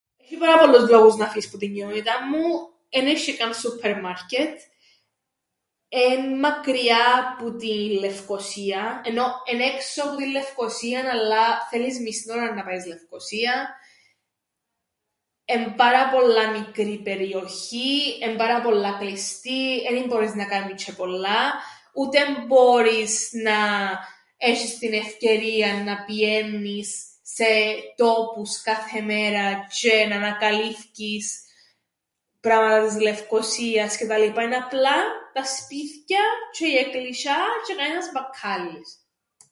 Έσ̆ει πάρα πολλούς λόγους να φύεις που την κοινότηταν μου, εν έσ̆ει καν σούππερμαρκετ, εν' μακριά που την Λευκωσίαν, ενώ εν' έξω που την Λευκωσίαν αλλά θέλεις μισήν ώραν να πάεις Λευκωσίαν, εν' πάρα πολλά μικρή περιοχή, εν' πάρα πολλά κλειστή, εν ι-μπόρεις να κάμεις τζ̌αι πολλά, ούτε μπόρεις να έσ̆εις την ευκαιρίαν να πηαίννεις σε τόπους κάθε μέραν τζ̌αι να ανακαλύφκεις πράματα της Λευκωσίας και τα λοιπά, εν' απλά τα σπίθκια τζ̌αι η εκκλησ̆ιά τζ̌αι κανένας μπακκάλλης.